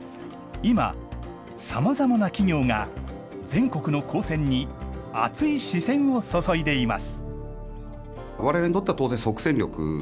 今、さまざまな企業が全国の高専に熱い視線を注いでいます。